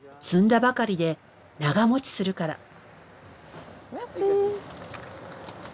摘んだばかりで長もちするから。